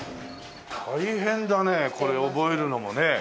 大変だねこれ覚えるのもね。